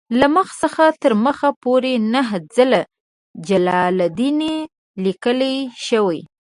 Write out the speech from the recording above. له مخ څخه تر مخ پورې نهه ځله جلالدین لیکل شوی.